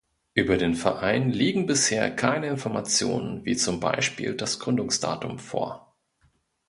Über den Verein liegen bisher keine Informationen wie zum Beispiel das Gründungsdatum vor.